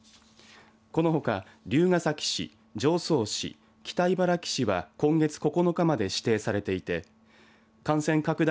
このほか、龍ヶ崎市常総市、北茨城市は今月９日まで指定されていて感染拡大